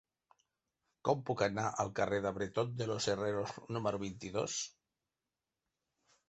Com puc anar al carrer de Bretón de los Herreros número vint-i-dos?